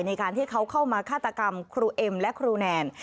ในการที่เขาเข้ามาฆาตกรรมครูเอ็มและครูแนน